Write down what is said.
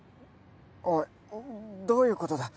おいどういうことだ？